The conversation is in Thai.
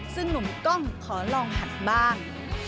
ซึ่งหนุ่มกล้องขอลองหัดบ้าง